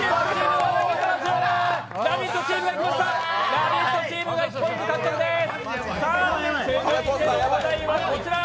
「ラヴィット！」チームが１ポイント獲得です。